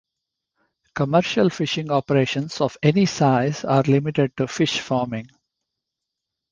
Commercial fishing operations of any size are limited to fish farming.